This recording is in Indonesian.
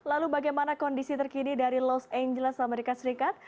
lalu bagaimana kondisi terkini dari los angeles amerika serikat